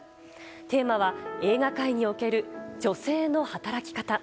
テーマは映画界における女性の働き方。